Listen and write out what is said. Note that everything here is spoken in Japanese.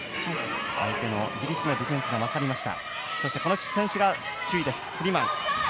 相手のイギリスのディフェンスが勝りました。